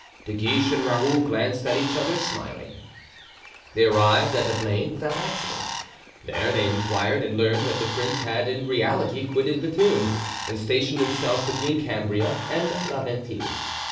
De Guiche and Raoul glanced at each other, smiling. They arrived at Ablain without accident. There they inquired and learned that the prince had in reality quitted Bethune and stationed himself between Cambria and La Venthie.